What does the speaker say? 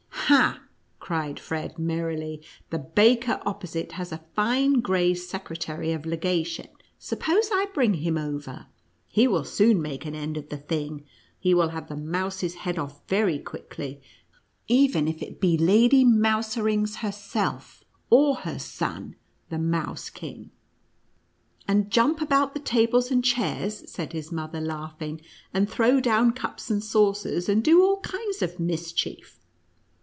" Ha !" cried Fred, merrily, " the baker opposite has a fine, gray secretary of legation ; suppose I bring him over ? He will soon make an end of the thing ; he will have the mouse's head off, very quickly, even if it be Lady Mouse rings herself, or her son, the Mouse King." "And jump about the tables and chairs," said his mother, laughing, "and throw down cups and saucers, and do all kinds of mischief."